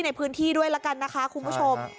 ในพื้นที่ด้วยละกันนะคะคุณผู้ชม